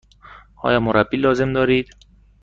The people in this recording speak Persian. آیا مربی لازم دارید؟